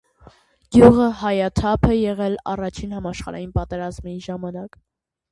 Գյուղը հայաթափ է եղել առաջին համաշխարհային պատերազմի ժամանակ։